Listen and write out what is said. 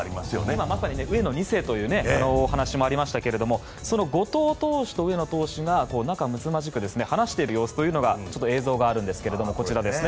今、まさに上野二世という話もありましたがその後藤投手と上野投手が仲むつまじく話している様子というのが映像があるんですけれどもこちらですね。